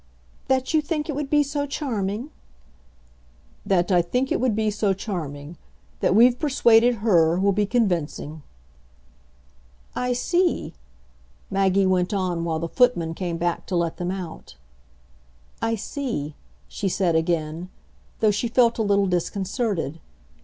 "That you think it would be so charming?" "That I think it would be so charming. That we've persuaded HER will be convincing." "I see," Maggie went on while the footman came back to let them out. "I see," she said again; though she felt a little disconcerted.